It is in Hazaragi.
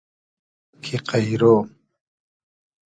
کی قݷرۉ